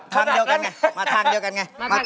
ทางเดียวกันไงมาทางเดียวกันไง